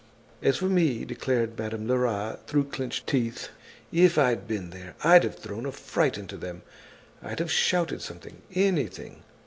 "As for me," declared Madame Lerat through clenched teeth, "if I'd been there, I'd have thrown a fright into them. I'd have shouted something, anything.